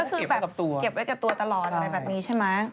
ก็คือแบบเก็บไว้กับตัวตลอดอะไรแบบนี้ใช่ไหม